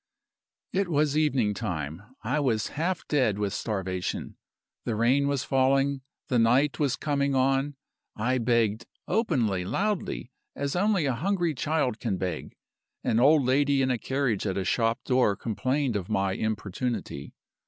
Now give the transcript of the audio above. "It was evening time. I was half dead with starvation; the rain was falling; the night was coming on. I begged openly, loudly, as only a hungry child can beg. An old lady in a carriage at a shop door complained of my importunity.